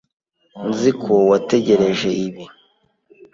Nzi ko wategereje ibi.